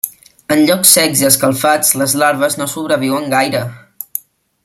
En llocs secs i escalfats les larves no sobreviuen gaire.